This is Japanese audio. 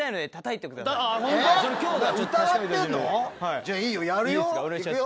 じゃあいいよやるよ行くよ。